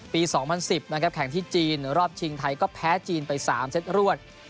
๒๐๑๐นะครับแข่งที่จีนรอบชิงไทยก็แพ้จีนไป๓เซตรวด